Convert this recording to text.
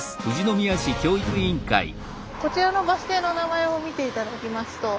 こちらのバス停の名前を見て頂きますとあの。